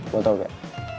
lo tau gak